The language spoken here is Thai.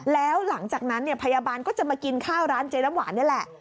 แล้วหลังจากนั้นเนี่ยพยาบาลก็จะมากินข้าวร้านเจ๊น้ำหวานนี่แหละ